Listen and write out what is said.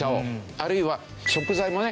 あるいは食材もね